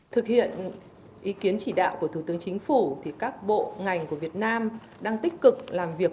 thực hiện ý kiến chỉ đạo của thủ tướng chính phủ thì các bộ ngành của việt nam đang tích cực làm việc